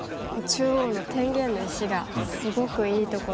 中央の天元の石がすごくいいところにいますね。